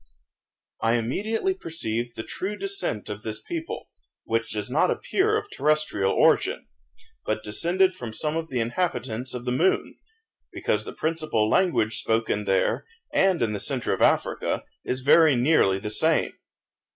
I immediately perceived the true descent of this people, which does not appear of terrestrial origin, but descended from some of the inhabitants of the moon, because the principal language spoken there, and in the centre of Africa, is very nearly the same.